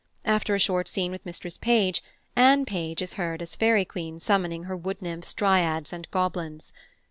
After a short scene with Mistress Page, Anne Page is heard as Fairy Queen summoning her wood nymphs, dryads, and goblins.